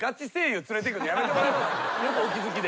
よくお気付きで。